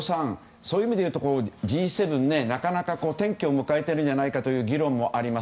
そういう意味で言うとＧ７、なかなか転機を迎えているんじゃないかという議論もあります。